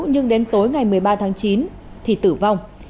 nhưng đến tối ngày một mươi ba tháng chín thì tử vong